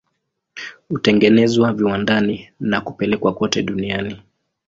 Hutengenezwa viwandani na kupelekwa kote duniani.